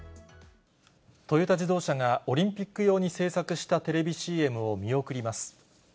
トヨタ自動車が、オリンピック用に制作したテレビＣＭを見送ります。